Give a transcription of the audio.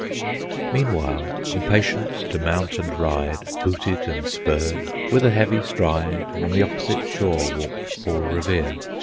Meanwhile, impatient to mount and ride, Booted and spurred, with a heavy stride On the opposite shore walked Paul Revere.